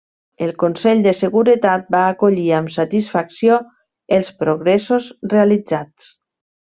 El Consell de Seguretat va acollir amb satisfacció els progressos realitzats.